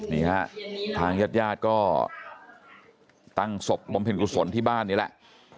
นี่ฮะทางญาติญาติก็ตั้งศพบำเพ็ญกุศลที่บ้านนี่แหละ